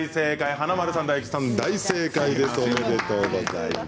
華丸さん、大吉さん、大正解です。